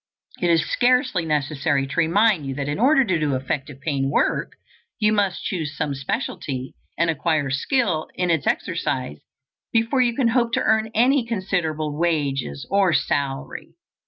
It is scarcely necessary to remind you that in order to do effective paying work you must choose some specialty and acquire skill in its exercise before you can hope to earn any considerable wages or salary.